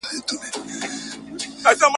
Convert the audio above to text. د څېړنې او طب اړيکه ډېره پخوانۍ ده.